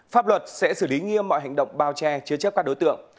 pháp luật sẽ xử lý nghiêm mọi hành động bao che chứa chấp các đối tượng